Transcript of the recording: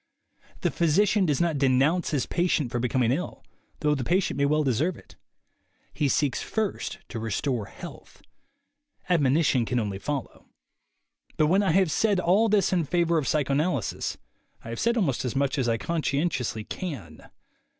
The physician does not denounce his patient for becoming ill, though the patient may well deserve it. He seeks first to restore health. Admonition can only follow. But when I have said all this in favor of psycho analysis, I have said almost as much as I conscien tiously can.